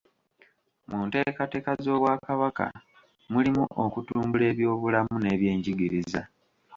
Mu nteekateeka z’Obwakabaka mulimu okutumbula ebyobulamu n’ebyenjigiriza.